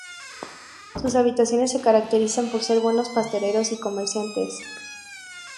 Sus habitantes se caracterizan por ser buenos pasteleros y comerciantes.